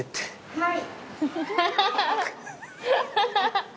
はい。